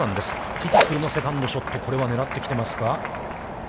ティティクルのセカンドショット、これは狙ってきていますか。